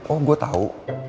oh gue tau